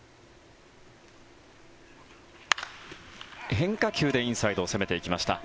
変化球でインサイドを攻めていきました。